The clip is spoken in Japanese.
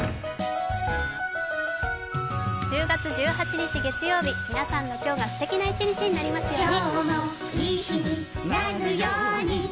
１０月１８日月曜日、皆さんの今日がすてきな一日になりますように。